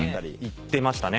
行ってましたね。